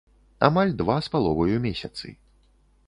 Амаль два з паловаю месяцы.